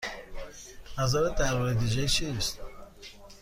نظرت درباره دی جی چیست؟